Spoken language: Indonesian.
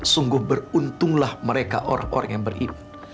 sungguh beruntunglah mereka orang orang yang beriman